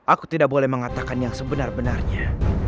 aku tidak boleh mengatakan yang sebenar benarnya